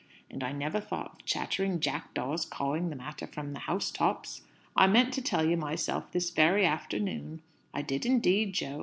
And I never thought of chattering jackdaws cawing the matter from the house tops. I meant to tell you myself this very afternoon; I did indeed, Jo."